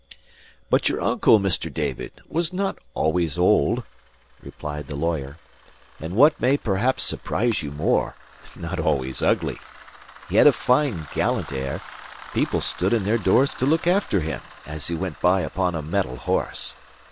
"But your uncle, Mr. David, was not always old," replied the lawyer, "and what may perhaps surprise you more, not always ugly. He had a fine, gallant air; people stood in their doors to look after him, as he went by upon a mettle horse.